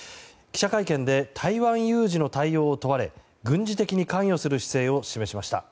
記者会見で台湾有事の対応を問われ軍事的に関与する姿勢を示しました。